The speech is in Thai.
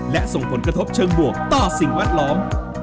และส่งผลกระทบเชิงบวกต่อสิ่งแวดล้อม